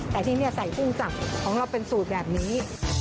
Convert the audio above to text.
แต่ที่นี่ใส่กุ้งสับของเราเป็นสูตรแบบนี้